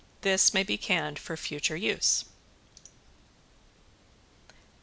This may be canned for future use.